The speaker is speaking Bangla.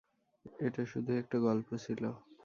এটা শুধুই একটা গল্প ছিল।